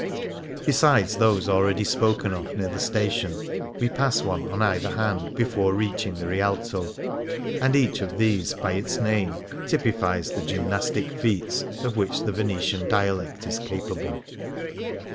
Besides those ah'eady spoken of near the station, we pass one on either hand before reaching the Rialto, and each of these, by its name, typifies the gymnastic feats of which the Venetian dialect is capable.